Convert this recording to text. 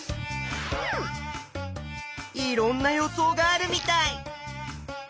いろんな予想があるみたい。